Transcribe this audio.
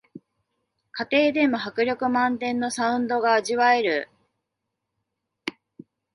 家庭でも迫力満点のサウンドが味わえる